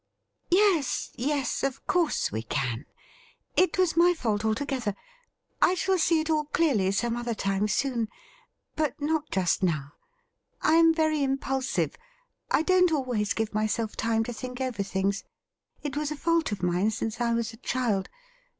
' Yes, yes, of course we can ; it was my fault altogether. I shall see it all clearly some other time, soon — but not just now. I am very impulsive ; I don't always give myself time to think over things. It was a fault of mine since I was a child.